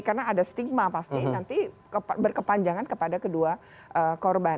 karena ada stigma pasti nanti berkepanjangan kepada kedua korban